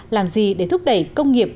làm gì để thúc đẩy công nghiệp